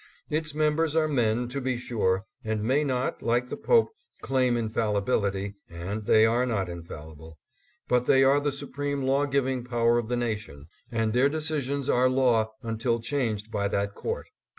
Its members are men, to be sure, and may not, like the Pope, claim infallibil ity, and they are not infallible, but they are the supreme law giving power of the nation, and their decisions are law until changed by that court.